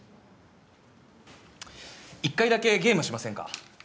１回だけゲームしませんか？